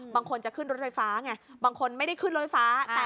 บางคนจะขึ้นรถไฟฟ้าไงบางคนไม่ได้ขึ้นรถไฟฟ้า